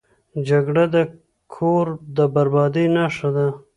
جګړه د کور د بربادۍ نښه ده